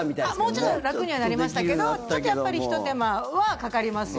もうちょっと楽にはなりましたけどちょっとやっぱりひと手間はかかりますよ。